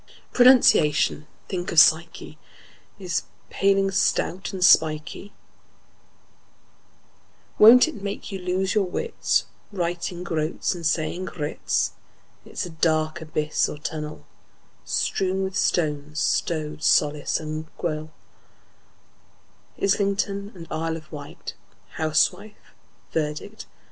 Pronunciation—think of psyche!— Is a paling, stout and spikey; Won't it make you lose your wits, Writing "groats" and saying groats? It's a dark abyss or tunnel, Strewn with stones, like rowlock, gunwale, Islington and Isle of Wight, Housewife, verdict and indict!